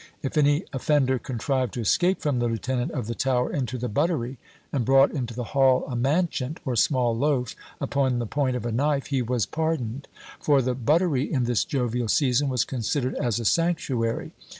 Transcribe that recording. If any offender contrived to escape from the lieutenant of the Tower into the buttery and brought into the hall a manchet (or small loaf) upon the point of a knife, he was pardoned; for the buttery in this jovial season was considered as a sanctuary.